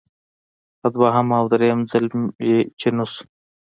په دویم او دریم ځل چې نشوه.